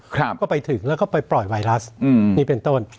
ก็ไปถึงแล้วก็ไปปล่อยไวรัสอืมนี่เป็นต้น